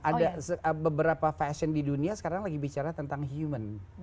ada beberapa fashion di dunia sekarang lagi bicara tentang human